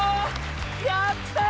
やった！